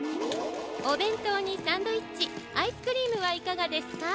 おべんとうにサンドイッチアイスクリームはいかがですか？